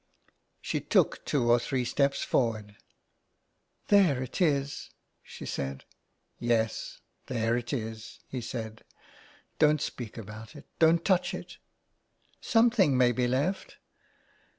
She took two or three steps forward. .'* There it is," she said. " Yes, there it is " he said. " Don't speak about it, don't touch it." " Something may be left."